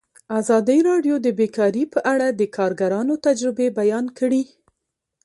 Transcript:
ازادي راډیو د بیکاري په اړه د کارګرانو تجربې بیان کړي.